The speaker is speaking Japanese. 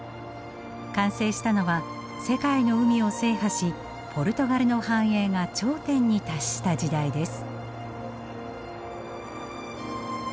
完成したのは世界の海を制覇しポルトガルの繁栄が頂点に達した時代です。